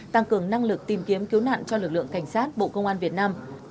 tăng cường năng lực tìm kiếm cứu nạn cho lực lượng cảnh sát bộ công an việt nam